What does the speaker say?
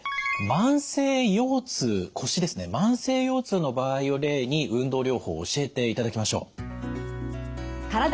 慢性腰痛の場合を例に運動療法を教えていただきましょう。